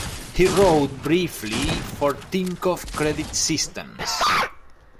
He rode briefly for Tinkoff Credit Systems.